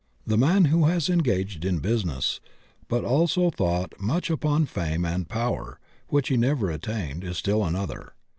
The man who has engaged in business, but also thought much upon fame and power which he never attained, is still another.